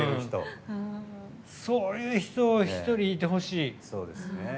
そういう人１人いてほしい。